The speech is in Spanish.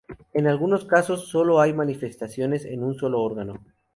En algunos casos solo hay manifestaciones en un solo órgano.